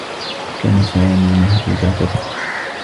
كان سامي مهرّج القسم.